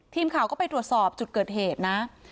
ทีมข่าวก็ไปตรวจสอบจุดเกิดเหตุนะ